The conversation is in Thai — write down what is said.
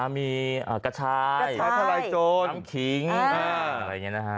มีกระชายผ้าทะลายโจรน้ำขิงอะไรอย่างนี้นะฮะ